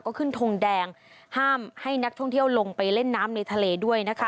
ก็ขึ้นทงแดงห้ามให้นักท่องเที่ยวลงไปเล่นน้ำในทะเลด้วยนะคะ